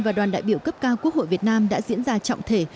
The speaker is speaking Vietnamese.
và đoàn đại biểu cấp cao quốc hội việt nam đã diễn ra trọng thể